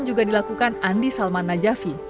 juga dilakukan andi salman najafi